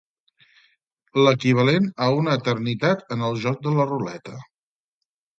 L'equivalent a una eternitat en el joc de la ruleta.